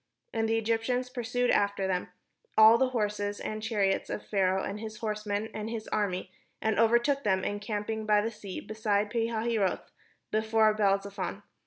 But the Egyptians pursued after them, all the horses and chariots of Pharaoh, and his horsemen, and his army, and overtook them encamping by the sea, beside Pi hahiroth, before Baal zephon.